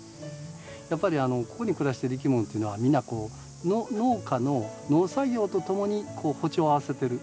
やっぱりここに暮らしてるいきものっていうのはみんなこう農家の農作業とともに歩調を合わせてる。